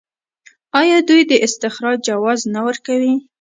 آیا دوی د استخراج جواز نه ورکوي؟